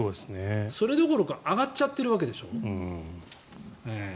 それどころか上がっちゃってるわけでしょ。